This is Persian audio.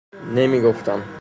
نمی گفتم